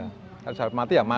mati ya mati sebelum mati kita jaga